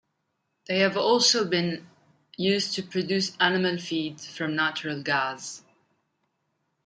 They have also been used to produce animal feed from natural gas.